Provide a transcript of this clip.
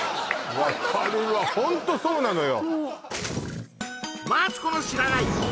分かるわホントそうなのよ